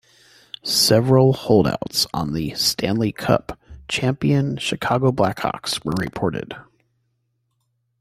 Several holdouts on the Stanley Cup champion Chicago Black Hawks were reported.